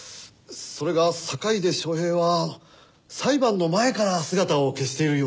それが坂出昌平は裁判の前から姿を消しているようでして。